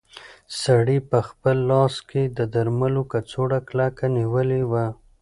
سړي په خپل لاس کې د درملو کڅوړه کلکه نیولې وه.